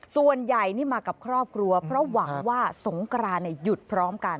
ส่วนใหญ่นี่มากับครอบครัวเพราะหวังว่าสงกรานหยุดพร้อมกัน